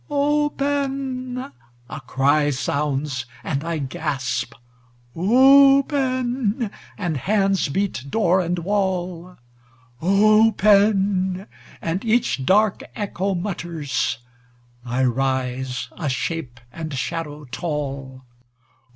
"Open!" a cry sounds, and I gasp. "Open!" and hands beat door and wall. "Open!" and each dark echo mutters. I rise, a shape and shadow tall.